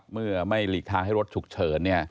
เมื่อไม่หลีกทางให้รถฉุกเฉิน